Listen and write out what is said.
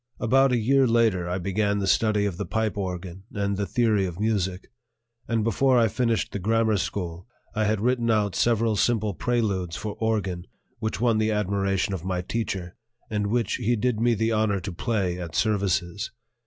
About a year later I began the study of the pipe organ and the theory of music; and before I finished the grammar school, I had written out several simple preludes for organ which won the admiration of my teacher, and which he did me the honor to play at services.